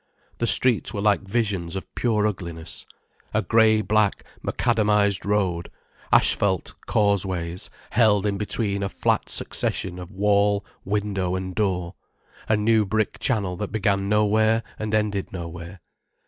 The streets were like visions of pure ugliness; a grey black macadamized road, asphalt causeways, held in between a flat succession of wall, window, and door, a new brick channel that began nowhere, and ended nowhere.